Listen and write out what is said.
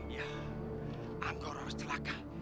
ya angguro harus celaka